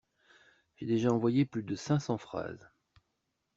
J'ai déjà envoyé plus de cinq cent phrases.